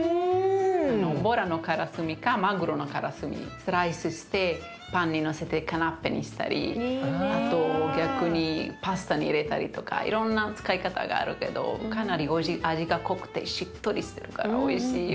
スライスしてパンにのせてカナッペにしたりあと逆にパスタに入れたりとかいろんな使い方があるけどかなり味が濃くてしっとりしてるからおいしいよ。